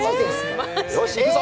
よし、いくぞ！